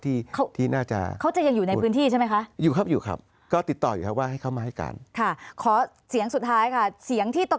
อีกท่านหนึ่งคือ